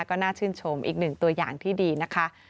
ก็น่าชื่นชมอีกหนึ่งตัวอย่างที่ดีนะคะ